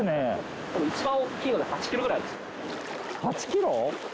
８キロ！？